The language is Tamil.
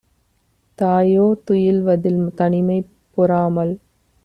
தாயோ துயில்வதில் தனிமை பொறாமல்